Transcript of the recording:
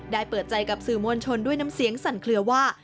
เปิดใจกับสื่อมวลชนด้วยน้ำเสียงสั่นเคลือว่า